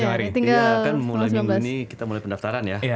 iya kan mulai minggu ini kita mulai pendaftaran ya